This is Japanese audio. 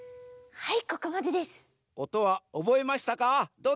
はい！